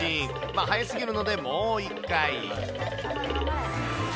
早すぎるので、もう一回。